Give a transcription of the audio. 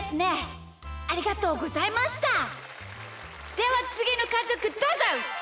ではつぎのかぞくどうぞ！